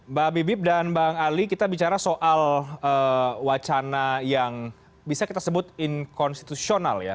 mbak bibip dan bang ali kita bicara soal wacana yang bisa kita sebut inkonstitusional ya